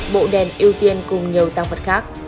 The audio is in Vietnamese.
một bộ đèn ưu tiên cùng nhiều tăng phật khác